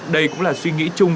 đây cũng là suy nghĩ chung